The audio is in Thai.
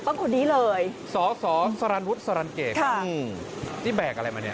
คนนี้เลยสสสารันวุฒิสรรเกตค่ะที่แบกอะไรมาเนี่ย